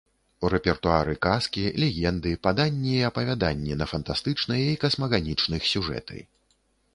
У рэпертуары казкі, легенды, паданні і апавяданні на фантастычныя і касмаганічных сюжэты.